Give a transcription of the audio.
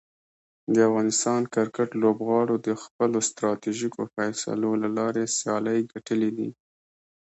د افغانستان کرکټ لوبغاړو د خپلو ستراتیژیکو فیصلو له لارې سیالۍ ګټلي دي.